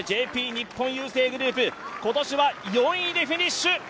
日本郵政グループ、今年は４位でフィニッシュ。